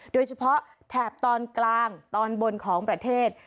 โดยเฉพาะแถบตอนกลางตอนบนของประเทศ